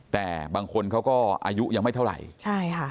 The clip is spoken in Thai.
แต่บางคนเขาก็อายุยังไม่เท่าไหร่ใช่ค่ะ